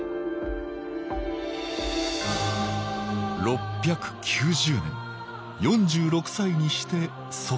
６９０年４６歳にして即位。